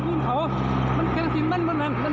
ผมต้องหยุดซ่อวง